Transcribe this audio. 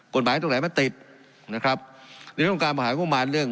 กฎหมายให้ตรงไหนลง